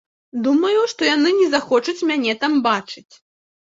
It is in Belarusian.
Думаю, што яны не захочуць мяне там бачыць.